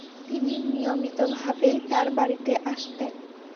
তিনি নিয়মিতভাবেই তার বাড়িতে আসতেন।